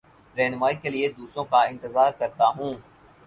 رہنمائ کے لیے دوسروں کا انتظار کرتا ہوں